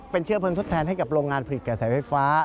เป็นเชื้อเพลิงทดแทนให้กับโรงงานผลิตกระแสไฟฟ้า